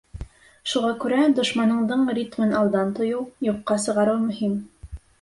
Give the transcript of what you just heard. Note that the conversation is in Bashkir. Шуға күрә дошманыңдың ритмын алдан тойоу, юҡҡа сығарыу мөһим.